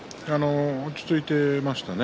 落ち着いていましたね